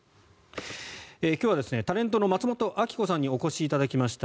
今日はタレントの松本明子さんにお越しいただきました。